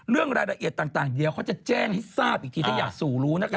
เรื่องรายละเอียดต่างเดี๋ยวเขาจะแจ้งให้ทราบอีกทีถ้าอยากสู่รู้นะคะ